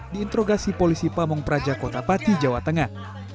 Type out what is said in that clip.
diintrogasi polisi pamung prajakota pati jawa tengah